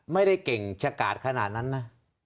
ไม่ได้เก่งชะกาดขนาดนั้นนะ